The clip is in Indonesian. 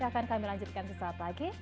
akan kami lanjutkan sesaat lagi